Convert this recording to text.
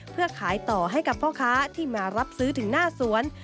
เพื่อขายต่อให้กับพ่อค้าที่มารับซื้อถึงหน้าสวน